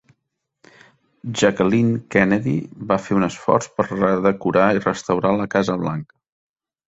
Jacqueline Kennedy va fer un esforç per redecorar i restaurar la Casa Blanca.